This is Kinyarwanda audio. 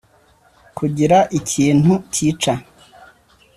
kugira ikintu kica